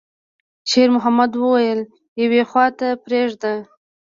شېرمحمد وويل: «يوې خواته پرېږده.»